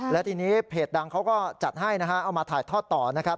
และทีนี้เพจดังเขาก็จัดให้นะฮะเอามาถ่ายทอดต่อนะครับ